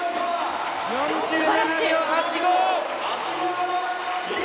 ４７秒８５！